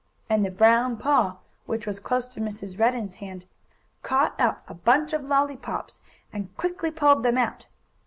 And the brown paw, which was close to Mrs. Redden's hand, caught up a bunch of lollypops and quickly pulled them out.